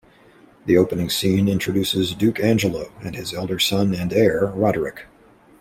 The opening scene introduces Duke Angelo and his elder son and heir, Roderick.